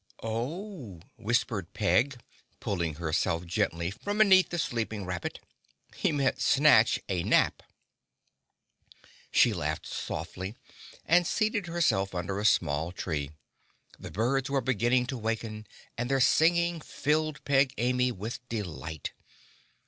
"Oh!" whispered Peg, pulling herself gently from beneath the sleeping rabbit. "He meant snatch a nap." She laughed softly and seated herself under a small tree. The birds were beginning to waken and their singing filled Peg Amy with delight.